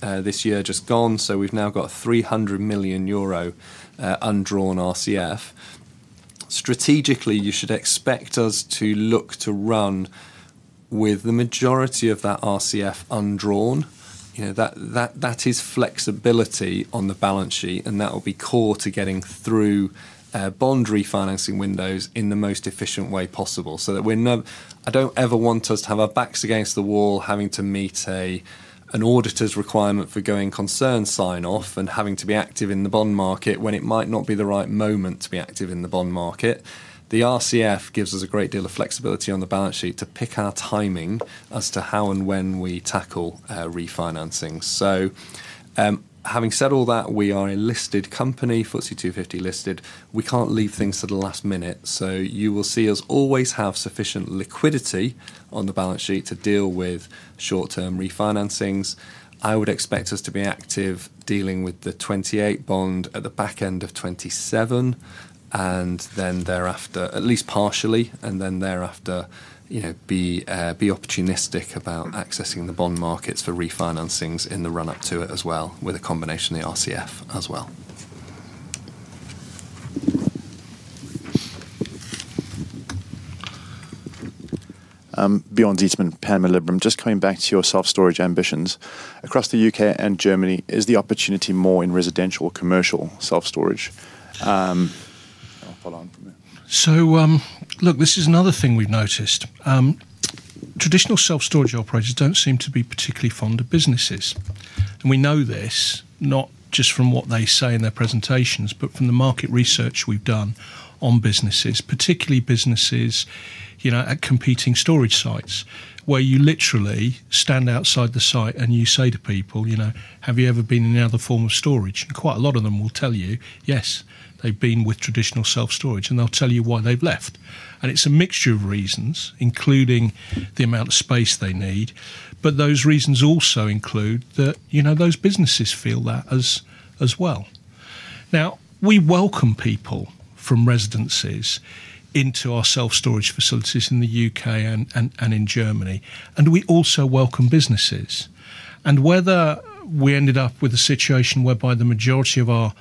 this year just gone. We've now got 300 million euro undrawn RCF. Strategically, you should expect us to look to run with the majority of that RCF undrawn. That is flexibility on the balance sheet, that will be core to getting through bond refinancing windows in the most efficient way possible. I don't ever want us to have our backs against the wall having to meet an auditor's requirement for going concern sign-off and having to be active in the bond market when it might not be the right moment to be active in the bond market. The RCF gives us a great deal of flexibility on the balance sheet to pick our timing as to how and when we tackle refinancing. Having said all that, we are a listed company, FTSE 250 listed. We can't leave things to the last minute. You will see us always have sufficient liquidity on the balance sheet to deal with short-term refinancings. I would expect us to be active dealing with the 2028 bond at the back end of 2027, at least partially, and then thereafter, be opportunistic about accessing the bond markets for refinancings in the run-up to it as well, with a combination of the RCF as well. Bjorn Zietsman, Panmure Liberum. Just coming back to your self-storage ambitions. Across the U.K. and Germany, is the opportunity more in residential or commercial self-storage? I'll follow on from there. Look, this is another thing we've noticed. Traditional self-storage operators don't seem to be particularly fond of businesses. We know this not just from what they say in their presentations, but from the market research we've done on businesses, particularly businesses at competing storage sites where you literally stand outside the site and you say to people, "Have you ever been in any other form of storage?" Quite a lot of them will tell you, yes, they've been with traditional self-storage, and they'll tell you why they've left. It's a mixture of reasons, including the amount of space they need. Those reasons also include that those businesses feel that as well. We welcome people from residences into our self-storage facilities in the U.K. and in Germany, and we also welcome businesses. Whether we ended up with a situation whereby the majority of our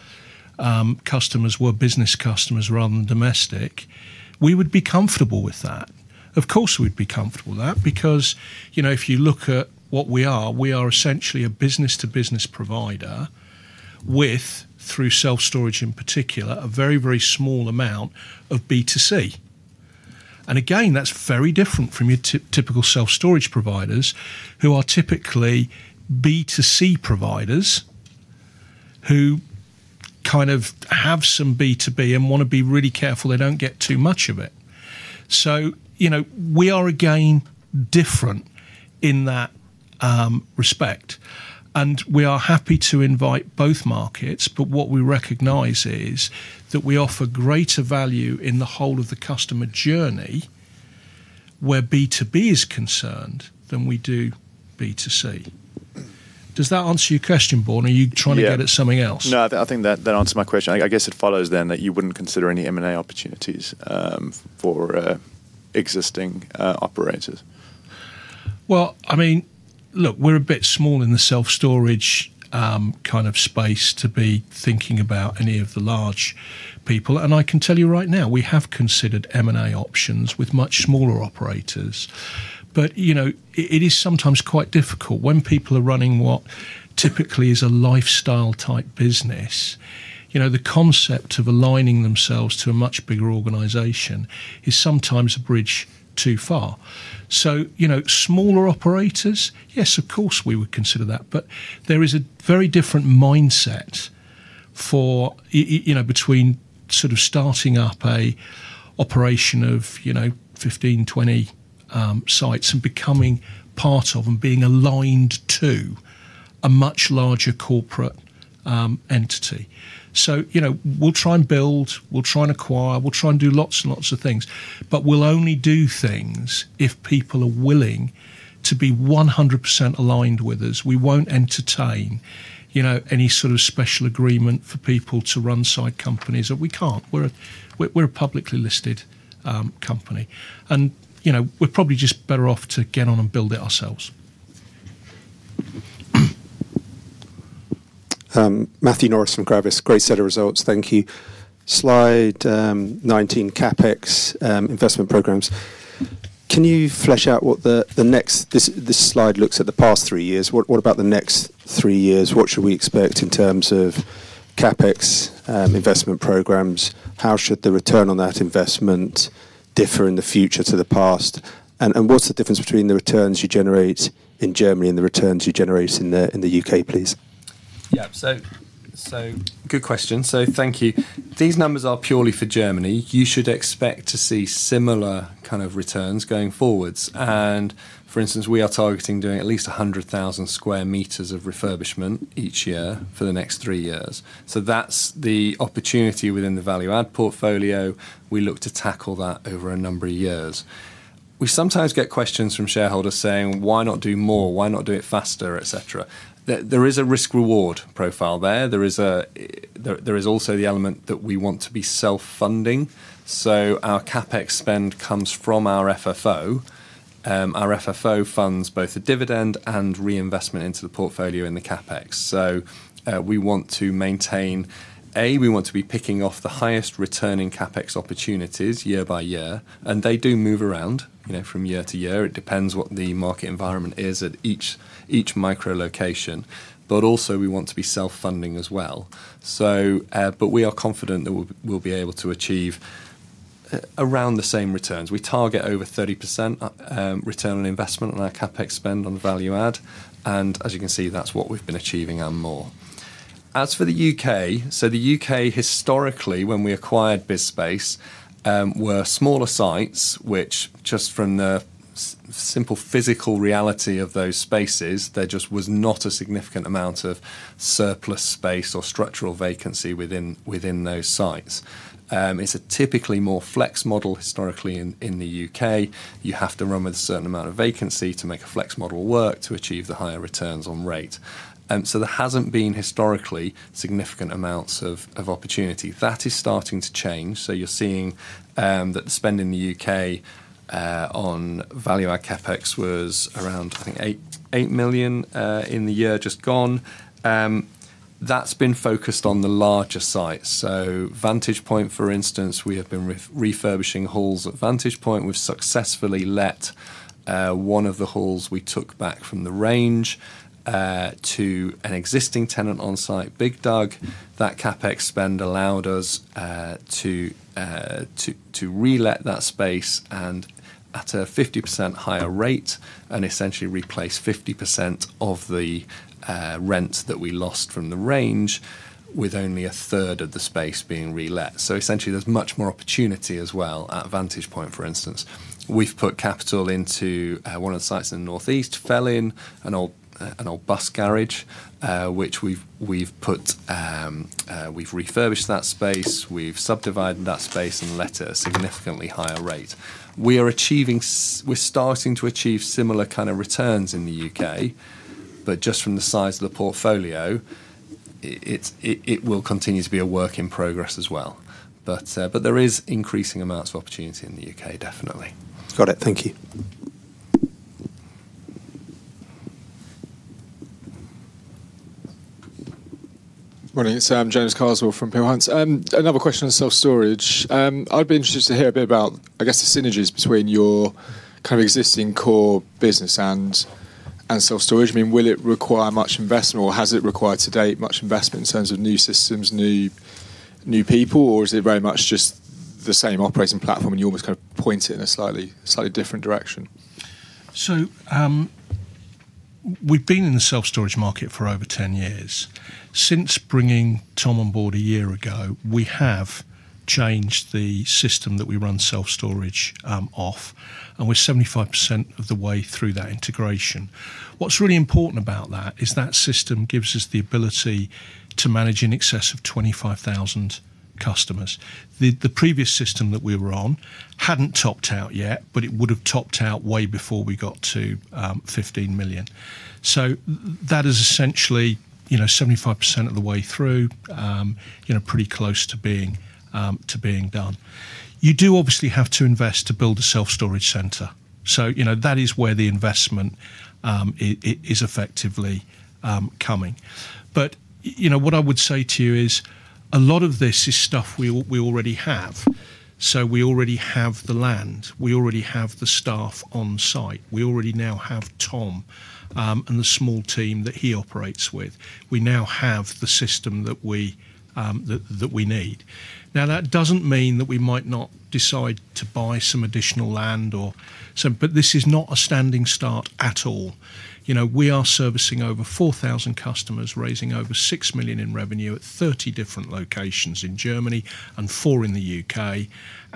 customers were business customers rather than domestic, we would be comfortable with that. Of course, we'd be comfortable with that because if you look at what we are, we are essentially a business-to-business provider with, through self-storage in particular, a very, very small amount of B2C. Again, that's very different from your typical self-storage providers who are typically B2C providers who have some B2B and want to be really careful they don't get too much of it. We are again different in that respect, and we are happy to invite both markets. What we recognize is that we offer greater value in the whole of the customer journey where B2B is concerned than we do B2C. Does that answer your question, Bjorn? Are you trying to get at something else? I think that that answered my question. I guess it follows then that you wouldn't consider any M&A opportunities for existing operators. Well, look, we're a bit small in the self-storage space to be thinking about any of the large people, and I can tell you right now, we have considered M&A options with much smaller operators. It is sometimes quite difficult when people are running what typically is a lifestyle type business. The concept of aligning themselves to a much bigger organization is sometimes a bridge too far. Smaller operators? Yes, of course, we would consider that. But there is a very different mindset between starting up a operation of 15, 20 sites and becoming part of and being aligned to a much larger corporate entity. We'll try and build, we'll try and acquire, we'll try and do lots and lots of things, but we'll only do things if people are willing to be 100% aligned with us. We won't entertain any sort of special agreement for people to run side companies. We can't. We're a publicly listed company. We're probably just better off to get on and build it ourselves. Matthew Norris from Gravis. Great set of results. Thank you. Slide 19, CapEx, investment programs. This slide looks at the past three years. What about the next three years? What should we expect in terms of CapEx, investment programs? How should the return on that investment differ in the future to the past? What's the difference between the returns you generate in Germany and the returns you generate in the U.K., please? Yeah. Good question. Thank you. These numbers are purely for Germany. You should expect to see similar kind of returns going forwards. For instance, we are targeting doing at least 100,000 sq m of refurbishment each year for the next three years. That's the opportunity within the value-add portfolio. We look to tackle that over a number of years. We sometimes get questions from shareholders saying: Why not do more? Why not do it faster, et cetera? There is a risk-reward profile there. There is also the element that we want to be self-funding. Our CapEx spend comes from our FFO. Our FFO funds both the dividend and reinvestment into the portfolio and the CapEx. We want to maintain, we want to be picking off the highest returning CapEx opportunities year-by-year. They do move around from year-to-year. It depends what the market environment is at each micro location. Also, we want to be self-funding as well. We are confident that we'll be able to achieve around the same returns. We target over 30% return on investment on our CapEx spend on the value add. As you can see, that's what we've been achieving and more. As for the U.K., the U.K. historically, when we acquired BizSpace, were smaller sites, which just from the simple physical reality of those spaces, there just was not a significant amount of surplus space or structural vacancy within those sites. It's a typically more flex model historically in the U.K. You have to run with a certain amount of vacancy to make a flex model work to achieve the higher returns on rate. There hasn't been historically significant amounts of opportunity. That is starting to change. You're seeing that the spend in the U.K. on value add CapEx was around, I think, 8 million in the year just gone. That's been focused on the larger sites. Vantage Point, for instance, we have been refurbishing halls at Vantage Point. We've successfully let one of the halls we took back from The Range to an existing tenant on site, BiGDUG. That CapEx spend allowed us to relet that space and at a 50% higher rate, and essentially replace 50% of the rent that we lost from The Range with only a third of the space being relet. Essentially, there's much more opportunity as well at Vantage Point, for instance. We've put capital into one of the sites in the northeast, Felling, an old bus garage, which we've refurbished that space, we've subdivided that space and let at a significantly higher rate. We're starting to achieve similar kind of returns in the U.K., but just from the size of the portfolio, it will continue to be a work in progress as well. There is increasing amounts of opportunity in the U.K., definitely. Got it. Thank you. Morning. It's James Carswell from Peel Hunt. Another question on self-storage. I'd be interested to hear a bit about, I guess, the synergies between your existing core business and self-storage. Will it require much investment, or has it required to date much investment in terms of new systems, new people? Or is it very much just the same operating platform and you almost point it in a slightly different direction? We've been in the self-storage market for over 10 years. Since bringing Tom on board a year ago, we have changed the system that we run self-storage off, and we're 75% of the way through that integration. What's really important about that is that system gives us the ability to manage in excess of 25,000 customers. The previous system that we were on hadn't topped out yet, but it would've topped out way before we got to 15 million. That is essentially, 75% of the way through, pretty close to being done. You do obviously have to invest to build a self-storage center. That is where the investment is effectively coming. What I would say to you is, a lot of this is stuff we already have. We already have the land, we already have the staff on site. We already now have Tom, and the small team that he operates with. We now have the system that we need. That doesn't mean that we might not decide to buy some additional land. This is not a standing start at all. We are servicing over 4,000 customers, raising over 6 million in revenue at 30 different locations in Germany and four in the U.K.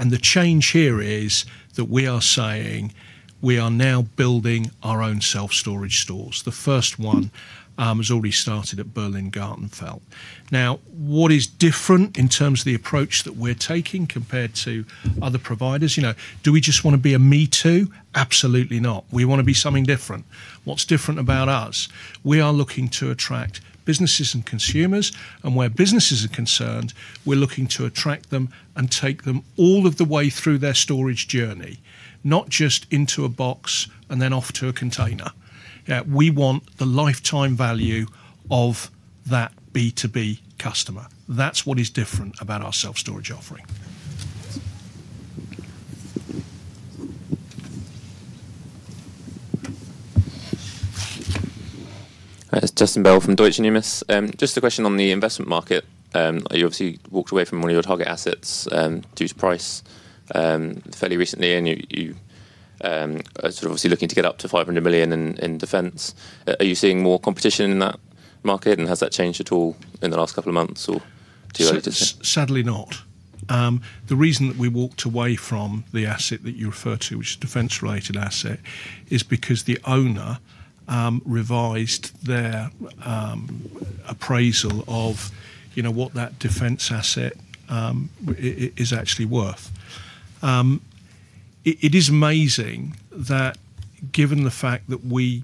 The change here is that we are saying we are now building our own self-storage stores. The first one has already started at Berlin-Gartenfeld. What is different in terms of the approach that we're taking compared to other providers? Do we just want to be a me too? Absolutely not. We want to be something different. What's different about us? We are looking to attract businesses and consumers, where businesses are concerned, we're looking to attract them and take them all of the way through their storage journey, not just into a box and then off to a container. We want the lifetime value of that B2B customer. That's what is different about our self-storage offering. Hi, it's Justin Bell from Deutsche Numis. Just a question on the investment market. You obviously walked away from one of your target assets, due to price, fairly recently, and you are obviously looking to get up to 500 million in defense. Are you seeing more competition in that market? Has that changed at all in the last couple of months or two years? Sadly not. The reason that we walked away from the asset that you refer to, which is a defense-related asset, is because the owner revised their appraisal of what that defense asset is actually worth. It is amazing that given the fact that we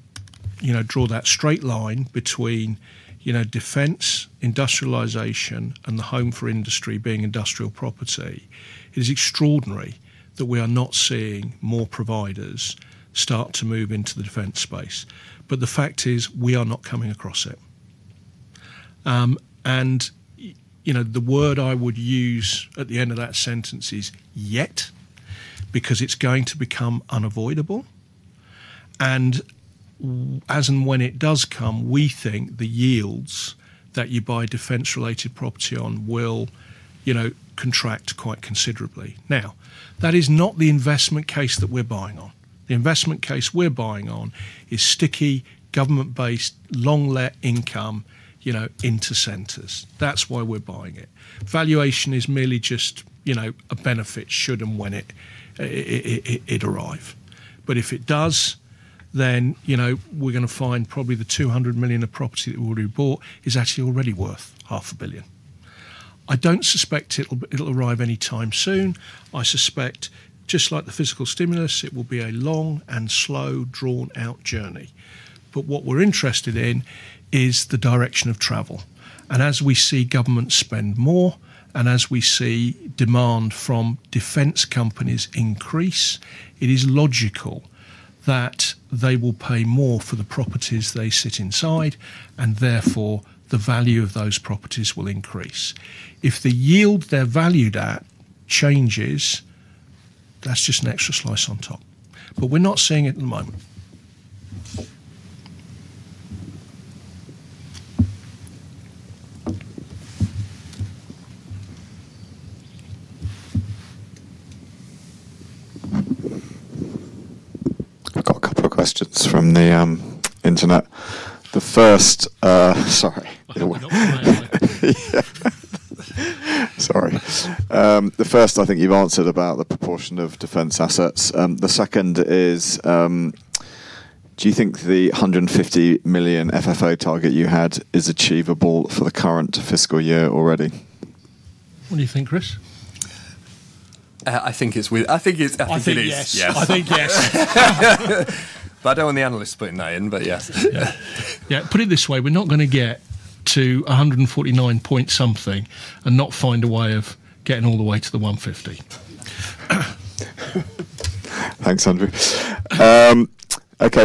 draw that straight line between defense, industrialization, and the home for industry being industrial property, it is extraordinary that we are not seeing more providers start to move into the defense space. The fact is, we are not coming across it. The word I would use at the end of that sentence is "yet," because it's going to become unavoidable, and as and when it does come, we think the yields that you buy defense-related property on will contract quite considerably. Now, that is not the investment case that we're buying on. The investment case we're buying on is sticky, government-based, long-let income into centers. That's why we're buying it. Valuation is merely just a benefit should and when it arrive. If it does, then we're going to find probably the 200 million of property that we already bought is actually already worth half a billion EUR. I don't suspect it'll arrive anytime soon. I suspect, just like the physical stimulus, it will be a long and slow, drawn-out journey. What we're interested in is the direction of travel. As we see governments spend more, and as we see demand from defense companies increase, it is logical that they will pay more for the properties they sit inside, and therefore the value of those properties will increase. If the yield they're valued at changes, that's just an extra slice on top. We're not seeing it at the moment. I've got a couple of questions from the internet. The first, sorry. No. Sorry. The first I think you've answered about the proportion of defense assets. The second is do you think the 150 million FFO target you had is achievable for the current fiscal year already? What do you think, Chris? I think it's- I think yes. Yes. I think yes. I don't want the analysts putting that in, but yeah. Yeah, put it this way, we're not going to get to 149 point something and not find a way of getting all the way to the 150. Thanks, Andrew.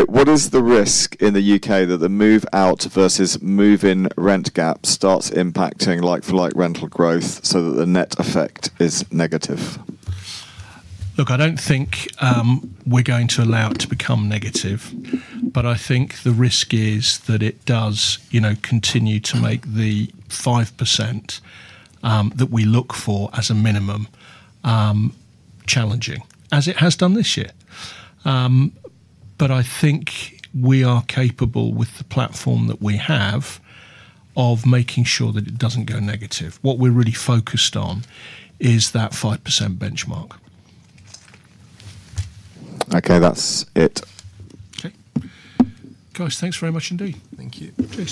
What is the risk in the U.K. that the move out versus move-in rent gap starts impacting like-for-like rental growth so that the net effect is negative? Look, I don't think we're going to allow it to become negative. I think the risk is that it does continue to make the 5% that we look for as a minimum challenging, as it has done this year. I think we are capable with the platform that we have, of making sure that it doesn't go negative. What we're really focused on is that 5% benchmark. Okay, that's it. Okay. Guys, thanks very much indeed. Thank you.